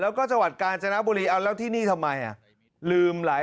แล้วก็จังหวัดกาญจนบุรีแล้วที่นี่ทำไม